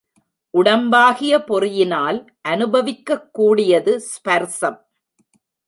உடம்பாகிய பொறியினால் அநுபவிக்கக் கூடியது ஸ்பர்சம்.